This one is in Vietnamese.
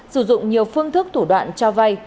sử dụng nhiều phương thức thủ đoạn cho vay